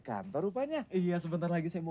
jabaran yang ketiga jadi intinya